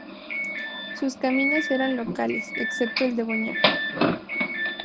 Sus caminos eran locales excepto el de Boñar.